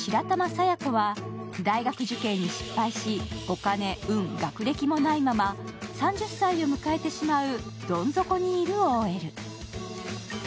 佐弥子は、大学受験に失敗し、お金・運・学歴もないまま３０歳を迎えてしまう、どん底にいるＯＬ。